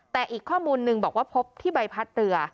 แต่อีกข้อมูลนึงบอกว่าพบที่ใบพัดเรือ